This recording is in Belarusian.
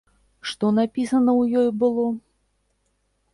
Што напісана ў ёй было?